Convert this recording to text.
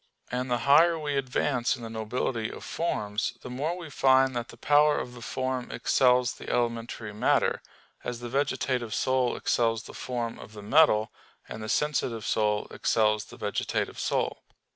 And the higher we advance in the nobility of forms, the more we find that the power of the form excels the elementary matter; as the vegetative soul excels the form of the metal, and the sensitive soul excels the vegetative soul.